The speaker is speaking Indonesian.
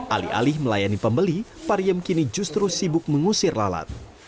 alih alih melayani pembeli pariem kini justru sibuk mengusir lalat